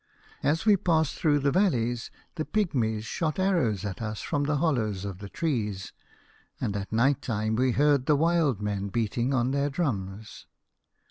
As we passed through the valleys the Pygmies shot arrows at us from the hollows of the trees, and at night time we heard the wild men beating on their drums.